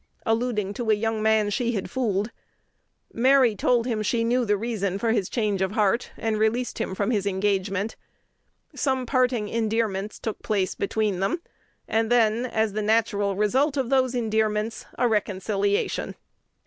alluding to a young man she had fooled." Mary told him she knew the reason of his change of heart, and released him from his engagement. Some parting endearments took place between them, and then, as the natural result of those endearments, a reconciliation.